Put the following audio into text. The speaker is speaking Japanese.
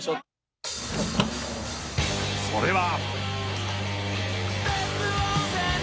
それは。